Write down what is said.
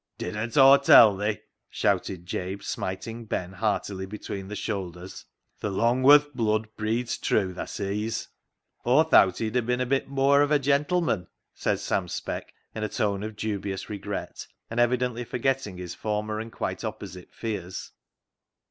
" Didn't Aw tell thi ?" shouted Jabe, smiting Ben heartily between the shoulders, " th' Long worth blood breeds true, thaa sees." " Aw thowt he'd a' bin a bit mooar of a gentleman," said Sam Speck, in a tone of dubious regret, and evidently forgetting his former and quite opposite fears.